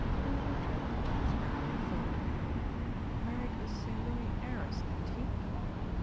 Anthony Trent knitted his brow in thought. "Married a St. Louis heiress, didn't he?"